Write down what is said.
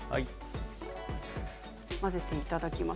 混ぜていただきます。